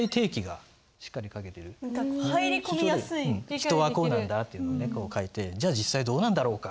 人はこうなんだっていうのをね書いてじゃあ実際どうなんだろうか。